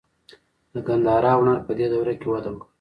د ګندهارا هنر په دې دوره کې وده وکړه.